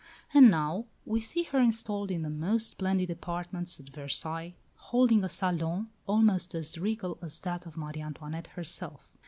And now we see her installed in the most splendid apartments at Versailles, holding a salon almost as regal as that of Marie Antoinette herself.